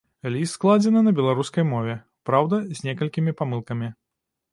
Ліст складзены на беларускай мове, праўда, з некалькімі памылкамі.